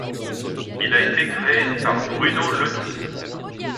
Il a été créé par Bruno Ledoux.